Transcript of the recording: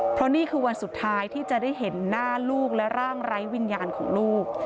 เพราะนี่คือวันสุดท้ายที่จะได้เห็นหน้าลูกและร่างไร้วิญญาณของลูก